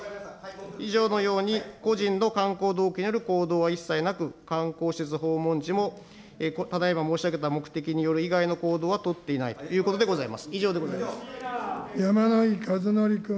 以上のように、個人の観光動機による行動は一切なく、観光施設訪問時もただいま申し上げた目的に寄る以外の行動は取っていないということでございます。